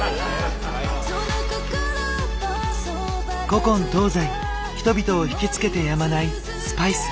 古今東西人々を惹きつけてやまないスパイス。